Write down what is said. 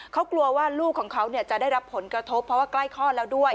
เขากลัวว่าลูกของเขาจะได้รับผลกระทบเพราะว่าใกล้คลอดแล้วด้วย